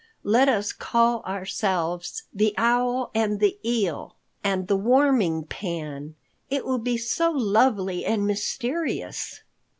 Let us call ourselves the Owl and the Eel and the Warming Pan. It will be so lovely and mysterious!"